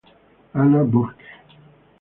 Anna Burke.